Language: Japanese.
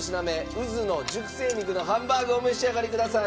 ＵＺＵの熟成肉のハンバーグをお召し上がりください。